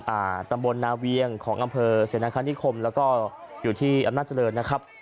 อ่าตำบลนาเวียงของอำเภอเสนาคานิคมแล้วก็อยู่ที่อำนาจเจริญนะครับ